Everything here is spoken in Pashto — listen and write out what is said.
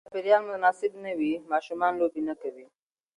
که چاپېریال مناسب نه وي، ماشومان لوبې نه کوي.